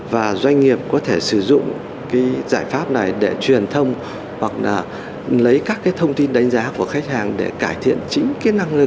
và doanh nghiệp có thể sử dụng cái giải pháp này để truyền thông hoặc là lấy các cái thông tin đánh giá của khách hàng để cải thiện chính cái năng lực để phục vụ khách hàng tốt hơn